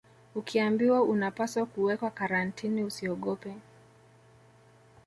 Ukiambiwa unapaswa kuwekwa Karantini usiogope